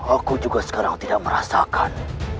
aku juga sekarang tidak merasakan